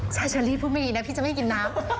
ใช่เชอรี่พูดไม่ดีนะพี่จะไม่กินน้ำ